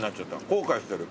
後悔してる。